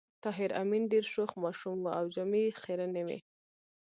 طاهر آمین ډېر شوخ ماشوم و او جامې یې خيرنې وې